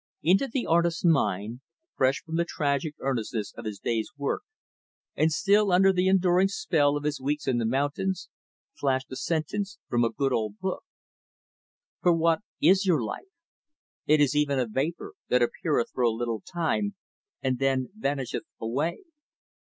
Into the artist's mind fresh from the tragic earnestness of his day's work, and still under the enduring spell of his weeks in the mountains flashed a sentence from a good old book; "For what is your life? It is even a vapor, that appeareth for a little time, and then vanisheth away."